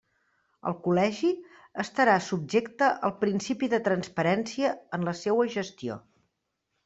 El col·legi estarà subjecte al principi de transparència en la seua gestió.